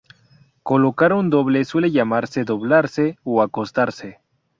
Colocar un doble suele llamarse "doblarse", o "acostarse".